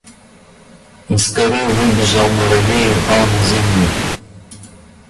Из коры выбежал муравей и упал на землю.